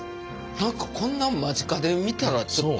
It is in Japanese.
何かこんな間近で見たらちょっと。